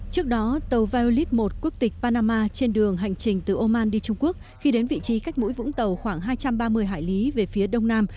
trước đó tàu violet một quốc tịch panama trên đường hành trình từ oman đi trung quốc khi đến vị trí cách mũi vũng tàu khoảng hai trăm ba mươi hải lý về phía đông nam